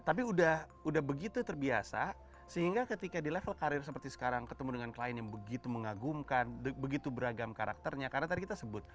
tapi udah begitu terbiasa sehingga ketika di level karir seperti sekarang ketemu dengan klien yang begitu mengagumkan begitu beragam karakternya karena tadi kita sebut